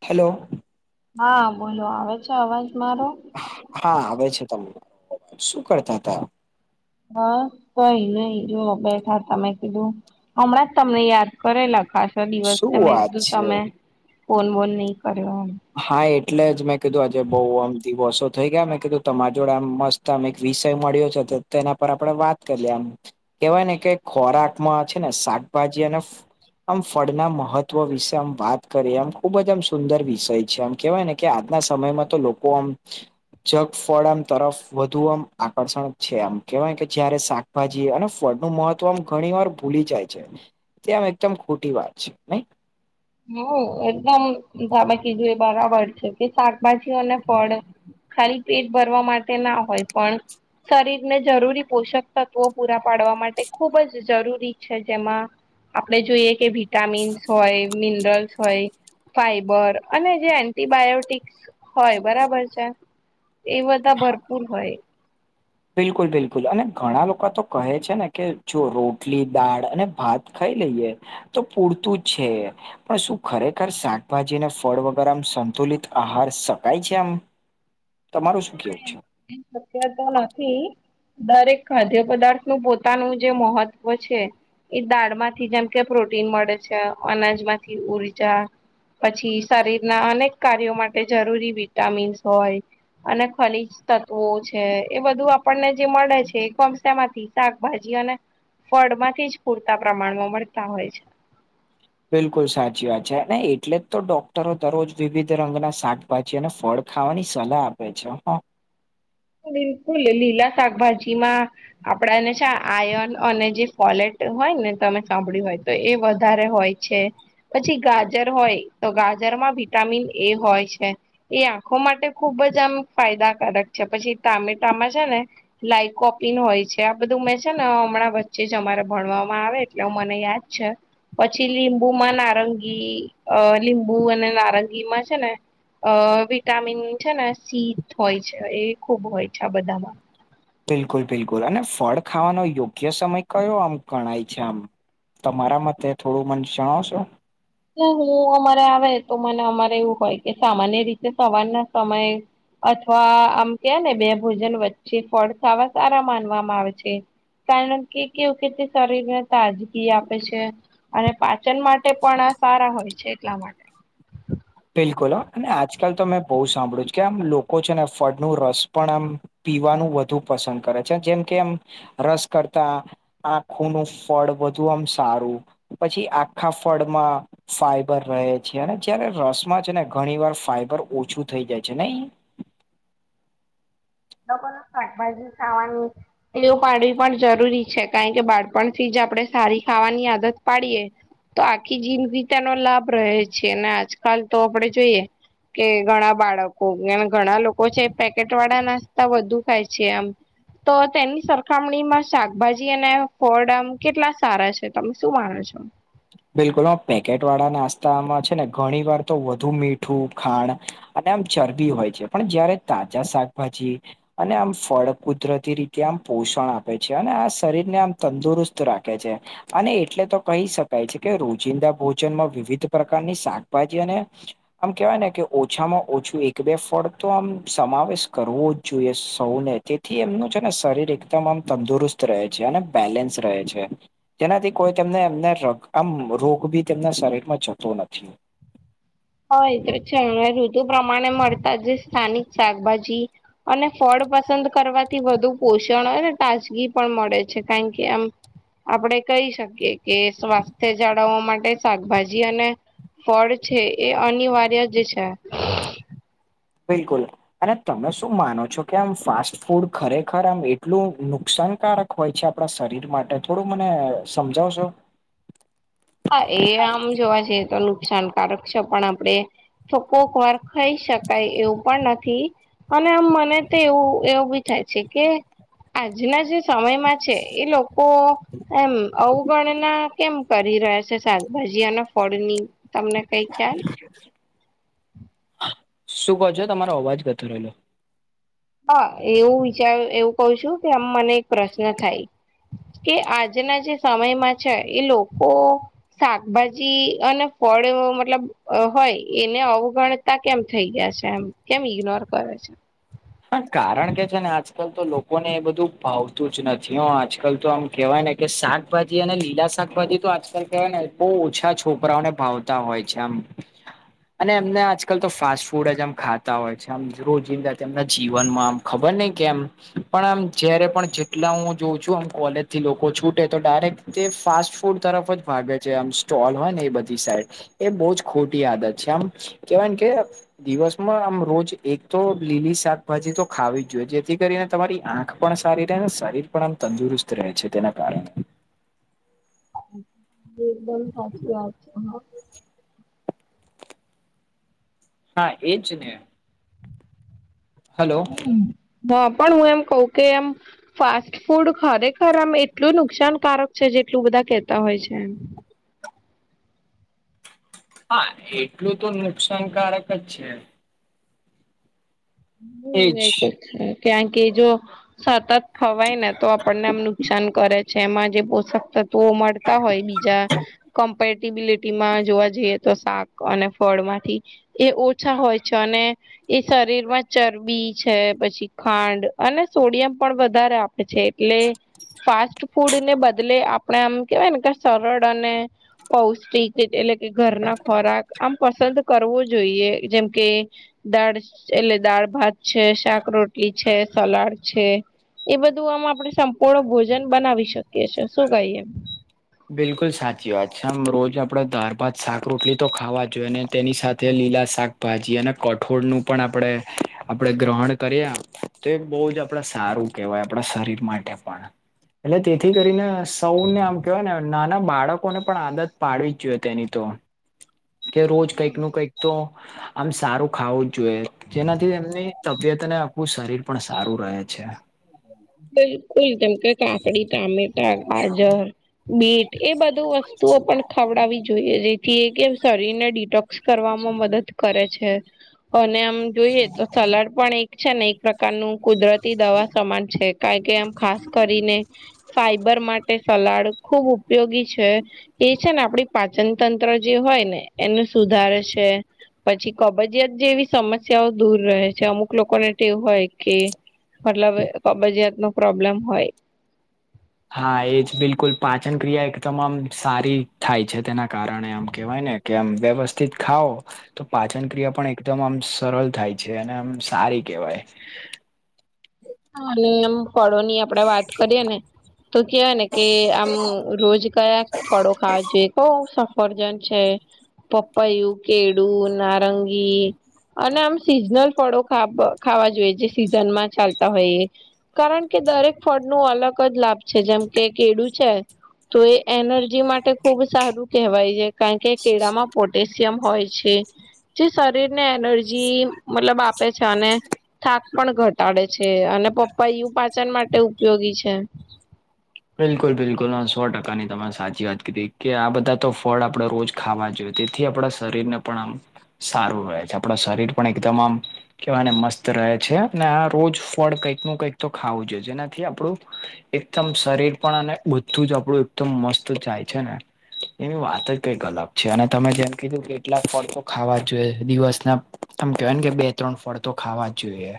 Hello હા બોલો આવે છે અવાજ મારો હા આવે છે તમને શું કરતા હતા હા કઈ નઈ જો બેઠા તા મેં કીધું હમણાં જ તમને યાદ કરેલા ખાસો દિવસ [unintelligible] શું વાત છે તમે ફોન બોન નહીં કર્યો. હા, એટલે જ મેં કીધું, આજે બહુ આમ થઈ ગયા મે કે, તમારી જોડે આમ મસ્ત આમ એક વિષય મળ્યો છે, તો તે એના પર આપડે વાત કરી લીએ આમ. કેવાય ને કે, ખોરાકમાં છે ને શાકભાજી અને આમ, ફળના મહત્વ વિશે આમ વાત કરી એમ, ખુબ જ આમ સુંદર વિશે છે, આમ કેવાય ને કે, આજના સમયમાં તો લોકો આમ જગફળ આમ તરફ વધુ આમ આકર્ષણ છે, આમ કેવાય કે, જયારે ભાજી અને ફળ નું મહત્વ, આમ ઘણી વાર ભૂલી જાય છે. તે એકદમ ખોટી વાત છે, નહીં? હ, એકદમ [unintelligible] એ બરાબર છે. કે, શાકભાજી અને ફળ ખાલી પેટ ભરવા માટે ના હોય, પણ શરીર ને જરૂરી પોષક તત્વો પૂરા પાડવા માટે ખૂબ જ જરૂરી છે, જેમાં આપડે જોઈએ કે, વિટામીન્સ હોય. જમ્સ હોય, ફાઈબર અને જે એન્ટીબાયોટિક હોય, બરાબર છે, એ બધા ભરપૂર હોય. બિલકુલ, બિલકુલ. અને ઘણા લોકો તો કહે છે ને કે, જો રોટલી દાળ અને ભાત ખાઈ લઈએ તો પૂરતું જ છે. પણ શું ખરેખર શાકભાજી અને ફળ વગેરે સંતુલિત આહાર શકાય છે આમ? તમારો શું કેવું છે? સત્ય તો નથી. દરેક ખાદ્ય પદાર્થ નું પોતાનું જે મહત્વ છે. એ દાળ માંથી, જેમ કે પ્રોટીન મળે છે, અનાજમાંથી ઉર્જા. પછી, શરીરના અનેક કાર્યો માટે જરૂરી વિટામિન્સ હોય અને ખનીજ તત્વો છે, એ બધું આપણને જે મળે છે, એક વંશ માંથી શાકભાજી અને ફળ માંથી જ પૂરતા પ્રમાણમાં મળતા હોય છે. બિલકુલ સાચી વાત છે, અને એટલે જ તો ડોક્ટરો દરરોજ વિવિધ રંગના સા ભાજી અને ફળ ખાવાની સલાહ આપે છે. બિલકુલ, લીલા શાકભાજી માં આપડાને છે આયન અને જે ફોલેટ હોય ને, તમે સાંભળ્યું હોય તો, એ વધારે હોય. પછી, ગાજર હોય તો, ગાજર માં વિટામિન એ હોય છે. એ આંખો માટે ખુબ જ આમ ફાયદાકારક છે, પછી તામેટામાં છે ને લાઈકોપિન હોય છે, આ બધું મેં છે ને હમણાં વચ્ચે જ અમારે ભણવામાં આવે. એ મને યાદ છે. પછી, લીંબુમાં, નારંગી અ લીંબુ અને નારંગી માં છે ને અ વિટામિન છે ને, સી હોય છે, એ ખુબ હોય છે આ બધામાં બિલકુલ, બિલકુલ. અને ફળ ખાવાનો યોગ્ય સમય કયો આમ ગણાય છે આમ? તમારા માટે થોડું મન જણાવશો? હું અમારે આવે તો, મને અમારે એવું હોય કે સામાન્ય રીતે સવાર ના સમયે અથવા, આમ કે ને, બે ભોજન વચ્ચે ફળ ખાવા સારા માનવામાં આવે છે. કારણ કે, કેવું ખેતી શરીર ને તાજગી આપે છે. અને પાચન માટે પણ આ સારા હોય છે, એટલા માટે. બિલકુલ, અને આજકાલ તો મેં બહુ સાંભળ્યું છે કે, આમ લોકો છે ને, ફળનું રસ પણ આમ પીવાનું વધુ પસંદ કરે છે, જેમ કે એમ રસ કરતા. આંખું નું ફળ બધું આમ સારું પછી, આખા ફળમાં ફાઈબર રહે છે, અને જયારે રસ છે ને, ઘણી વાર ફાઈબર ઓછું થઈ જાય છે ને. લગો, શાકભાજી સાવાણી. એવું પાડવી પણ જરૂરી છે કારણ કે બાળપણથી જ આપણે સારી ખાવાની આદત પાડીએ તો આખી જિંદગી તેનો લાભ રહે છે અને આજકાલ તો આપડે જોઈએ કે ઘણા બાળકો એ ઘણા લોકો છે પેકેટ વાળા ના વધુ ખાય છે એમ તો તેની સરખામણીમાં શાકભાજી અને ફળડાામ કેટલા સારા છે તમે શું માનો છો બિલકુલ પેકેટ વાળા નાસ્તામાં છે ને ઘણી વાર તો વધુ મીઠું ખાણ અને આમ ચરબી હોય છે પણ જયારે તાજા શાકભાજી અને આમ ફળ કુદરતી રીતે આમ પોષણ આપે છે અને આ શરીર ને આમ તંદુરસ્ત રાખે છે અને એટલે તો કહી શકાય છે કે રોજિંદા ભોજનમાં વિવિધ પ્રકારની શાકભાજી અને આમ કેવાય ને કે ઓછામાં ઓછું એક બે ફળ તો આમ સમાવેશ કરવો જ જોઈએ સૌને તેથી એમનું છે ને શરીર એકદમ આમ તંદુરસ્ત રહે છે અને બેલેન્સ રહે છે જેનાથી કોઈ તેમને એમને આમ રોગ બી તેમના શરીરમાં જતો નથી હ એ તો છે ઋતુ પ્રમાણે મળતા જે સ્થાનિક શાકભાજી અને ફળ પસંદ કરવાથી વધુ પોષણ હોય તાજગી પણ મળે છે કારણ કે આમ આપડે કહી શકીએ કે સ્વાસ્થ્ય જાળવવા માટે શાકભાજી અને ફળ છે એ અનિવાર્ય જે છે બિલકુલ અને તમે શું માનો છો કે આમ ફાસ્ટ ફૂડ ખરેખર આમ એટલું નુકસાનકારક હોય છે આપણા શરીર માટે થોડું મને સમજાવશો હા એ આમ જોવા જઈએ તો નુકસાનકારક છે પણ આપણે ચકોક વાર ખઈ શકાય એવું પણ નથી અને આમ મને તો એવું એવ બી થાય છે કે આજના જે સમયમાં છે એ લોકો તો એમ અવગણના કેમ કરી રહે છે શાકભાજી અને અને ફળની તમને કંઈ ખ્યાલ શું કહોજો તમારો અવાજ ગતો રહેલો હા એવું વિચાર એવું કઉ છું કે આમ મને એક પ્રશ્ન થાય કે આજના જે સમયમાં છે એ લોકો શાકભાજી અને ફળ એવ મતલબ હોય એને અવગણ કેમ થઇ ગયા છે એમ કેમ ઇગ્નોર કરે છે હા કારણ કે છે ને આજકાલ તો લોકોને એ બધું ભાવતું જ નથી હો આજકાલ તો આમ કેવાય ને કે શાક શાકભાજી અને લીલા શાકભાજી તો આજકાલ કહેવાય ને બહુ ઓછા છોકરાઓને ભાવતા હોય છે આમ અને એમને આજકાલ તો ફાસ્ટ ફૂડ જ આમ ખાતા હોય છે આમ રોજિંદા તેમના જીવનમાં આમ ખબર નહ કેમ પણ આમ જય્યારે પણ જેટલા હું જોઉં છું આમ કોલેજ થી લોકો છૂટે તો ડાયરેક્ટ તે ફાસ્ટ ફૂડ તરફ જ ભાગે છે આમ સ્ટોલ હોય ને એ બધી સાઈડ એ બહુ જ ખોટી આદત છે આમ કેવાય કે દિવસમાં આમ રોજ એક તો લીલી શાકભાજી તો ખાવી જ જોઈએ જેથી કરીને તમારી આંખ પણ સારી રહે ને શરીર પણ આમ તંદુરસ્ત રહે છે તેના કારણે એકદમ સાચી વાત છે હા હા એન છે ન હલો હા પણ હું એમ કવ કે એમ ફાસ્ટ ફૂડ ખરેખર આમ એટલું નુકસાનકારક છે જેટલું બધા કેહેતા હોય છે એમ હા એટલું તો નુકસાનકારક જ છે. હમ એજ એતો જ કારં કે જો સતત થવાય ને તો આપણને આમ નુકસાન કરે છે એમાં જે પોષકવ તો મળતા હોય બીજા કમ્પે બિલિટી માં જોવા જઈએ તો શાક અને ફળ માંથી એ ઓછા હોય છે અને એ શરીરમાં ચરબી છે. પછી ખાંડ અને સોડિયમ પણ વધારે આપે છે એટલે ફાસ્ટ ફૂડ ને બદલે આપણે આમ કેવાય ને કે સરળ અને પૌષ્ટિક એટલે કે ઘરના ખોરાક આમ પસંદ કરવો જોઈએ જેમ કે દાળ એટલે દાળ ભાત છે, શાક રોટી છે, સલાડ છે. એ બધું આમાં આપણે સંપૂર્ણ ભોજન બનાવી શકીએ છે શું કહીએમ? બિલકુલ સાચી વાત છે આમ રોજ આપણેે દાર ભાત શાક રોટલી તો ખાવા જોઈએ ને તેની સાથે લીલા શાક હોય ભાજી અને કઠોળનું પણ આપણે આપણે ગ્રહણ કરીએ તો એ બહુ જ આપણે સારું. વાય આપણા શરીર માટે પણ એટલે તેથી કરીને સૌને આમ કેવાય ને નાના બાળકોને પણ આદત પાડવી જ જોઈએ તેની તો. કે રોજ કંઈક નું કંઈક તો? આમ સારું ખાવું જ જોઈએ જેનાથી એમની તબિયતને આપણું શરીર પણ સારું રહે છે. બિલકુલ જેમ કે કાકડી, ટામેટા, ગાજર બીટ એ બધું વસ્તુઓ પણ ખવડાવી જોઈએ જેથી કે શરીરને ડિટોક વામાં મદદ કરે છે. અને આમ જોઈએ તો સલાડ પણ એક છે ને પ્રકારનું કુદરતી દવા સમાન છે. કારણ કે આમ ખાસ કરીને ફાઈબર માટે સલાડ ખૂબ ઉપયોગી છે, એ છે ને આપડી પાછ-' જનતંત્ર જે હોય ને એનું સુધારે છે. પછી કબજીયાત જેવી સમસ્યાઓ દૂર રહે છે. અમુક લોકોનેવું હોય કે મતલબ કબજીયાત નો પ્રોબ્લેમ હોય. હા એજ બિલકુલ પાચન ક્રિયા એક તમામ સારી થાય છે તેના કારણે આમ કેવાય ને. કેમ વ્યવસ્થિત ખાાવઓ તો પાચન ક્રિયા પણ એકદમ આમ સરળ થાય છે અને આમ સારી કહેવાય. અને એમ ફળોની આપડે વાત કરીયએ ને. તો કેહેવાય ને કે આમ રોજ કયાક ફળો ખાવા જોઈએ તો સફરજન છે, પપયું, કેડું, નારંગી. અને આમ સીઝનલ ફળોા ખાવા જોઈએ જે સીઝનમાં ચાલ. હોય કારણ કે દરેક ફળ નું અલગ જ લાભ છે જેમ કે કેડું છે. તો એ એનર્જી માટે ખુબ સારું કેહેવાય છે કારણ કે કેળામાં પોટેશિયમ હોય છે જે શરીર ને એનર્જી જી મતલબ આપે છે અને થાક પણ ઘટાડે છે. છે અને પપૈયે પાચન માટે ઉપયોગી છે. બિલકુલ બિલકુલ સો ટકાની તમે સાચી વાત કરી કે આ બધા તો ફળ આપડે રોજ. ખાવા જોઈએ તેથી આપણા શરીરને પણ આમ સારું રહે છે આપણા શરીર પણ એકદમ આમ કેવાને મસ્ત રહે છે અને આ રોજ ફળ કંઈક ન કંઈક તો ખાવું જોઈએ જેનાથી આપડું એકદમ શરીર પણ અને બધું જ આપડું એકદમ મસ્ત જાય છે. એની વાત જ કઈક અલગ છે અને તમે જેમ કીધું કેટલાક ફળતો ખાવા જોઈએ દિવસના તમ કેહેવાય ને કે બે ત્રણ ફળ તો ખાવા જ જોઈએ.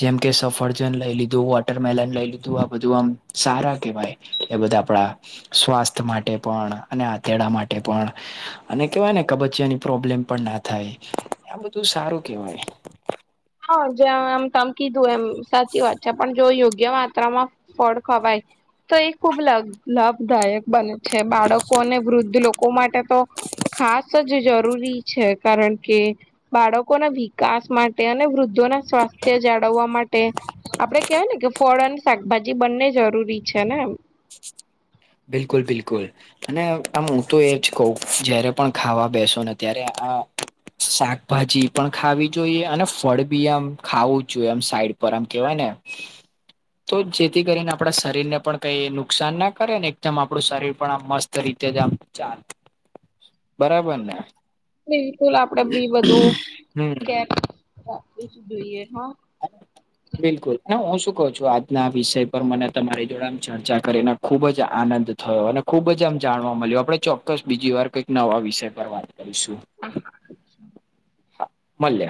જેમ કે સફરજન લઈ લીધું, વોટરમેલન લઈ લીધું આ બધું આમ સારા કે ભાઈ એ બધા આપણા સ્વાસ્થ માટે પણ અને આ તેડા માટે પણ અને કેવાય ને, કબચિયાની પ્રોબ્લેમ પણ ના થાય, આ બધું સારું કેવાય. હા, જેમ આમ તમે કીધું એમ, સાચી વાત છે, પણ જો યોગ્ય માત્રામાં ફળ ખવાય તો, એ ખુબ લગ લાભદાયક બને છે, બાળકો અને વૃદ્ધ લોકો માટે તો ખાસ જ જરૂરી છે, કારણ કે બાળકોના વિકાસ માટે. અને વૃદ્ધો ના સ્વાસ્થ્ય જાળવવા માટે આપડે કહેવાય ને કે ફળ અને શાકભાજી બંને જરૂરી છે ને? બિલકુલ બિલકુલ. અને આમું તો એ જ કહ જયારે પણ ખાવા બેસો ને ત્યારે આ શાકભાજી પણ ખાવી જોઈએ અને ફળ બી આમ ખાવું જ જોઈએ આમ સાઈડ પર આમ કેહેવાય ને આમ તો જેથી કરીને આપણા શરીર ને પણ કઈ નુકસાન ના કરે ને.? જેમ આપડું શરીર પણ આમ મસ્ત રીતે જ આમ ચલે બરાબર ને.? બિલકુલ, આપડે બી બધું હમ કેર રાખવી જ જોઈએ, હા. બિલકુલ, હ હું શું કહું છું, આજના વિષય પર મને તમારી જોડે આમ ચર્ચા કરી નાખ. ખુબ જ આનંદ થયો, અને ખુબ જ આમ જાણવા મળ્યું. આપડે ચોક્કસ બીજી વાર કઈક નવા વિષય પર વાત કરીશું. હા. મળે.